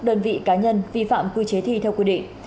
đơn vị cá nhân vi phạm quy chế thi theo quy định